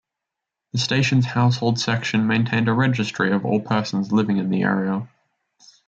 The station's household section maintained a registry of all persons living in the area.